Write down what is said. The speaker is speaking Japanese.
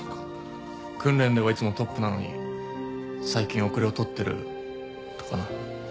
訓練ではいつもトップなのに最近後れを取ってるとかな。